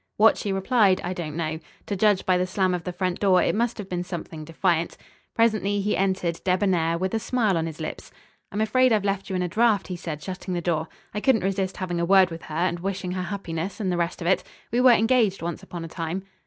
What she replied I don't know. To judge by the slam of the front door it must have been something defiant. Presently he entered debonair, with a smile on his lips. "I'm afraid I've left you in a draught," he said, shutting the door. "I couldn't resist having a word with her and wishing her happiness and the rest of it. We were engaged once upon a time."